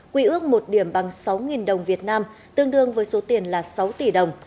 quy ước một điểm bằng sáu đồng việt nam tương đương với số tiền là sáu tỷ đồng